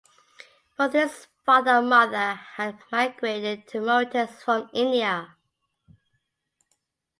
Both his father and mother had migrated to Mauritius from India.